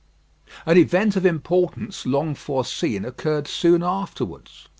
An event of importance, long foreseen, occurred soon afterwards.